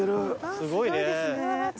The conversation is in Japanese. すごいね。